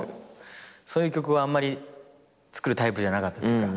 そういう曲はあんまり作るタイプじゃなかったというか。